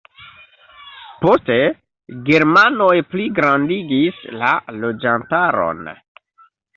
Poste germanoj pligrandigis la loĝantaron.